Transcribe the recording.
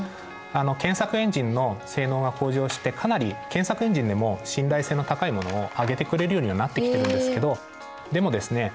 検索エンジンの性能が向上してかなり検索エンジンでも信頼性の高いものを上げてくれるようにはなってきてるんですけどでもですね